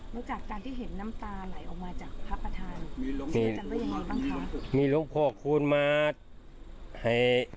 หรือจำแบบนี้บ้างคะ